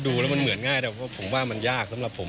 ดูแล้วมันเหมือนง่ายแต่เพราะผมว่ามันยากสำหรับผม